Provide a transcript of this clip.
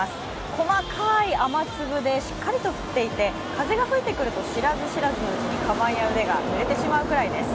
細かい雨粒で、しっかりと降っていて、風が吹いてくると知らず知らずのうちに、かばんなどがぬれてしまうくらいです。